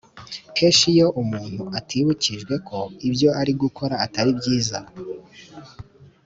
Kenshi iyo umuntu atibukijwe ko ibyo ari gukora atari byiza